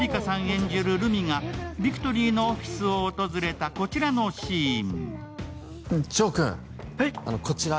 演じる留美がビクトリーのオフィスを訪れたこちらのシーン。